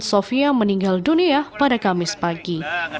sofia meninggal dunia pada kamis pagi